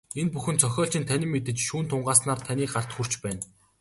Энэ бүхэн зохиолчийн танин мэдэж, шүүн тунгааснаар таны гарт хүрч байна.